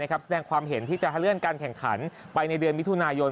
แสดงความเห็นที่จะเลื่อนการแข่งขันไปในเดือนมิถุนายน